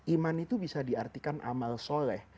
iman itu bisa diartikan amal soleh